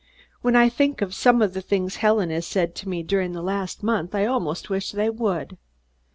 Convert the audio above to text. When I think of some of the things Helen has said to me during the last month, I almost wish they would."